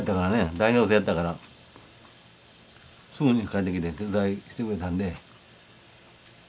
大学生やったからすぐに帰ってきて手伝いしてくれたんで。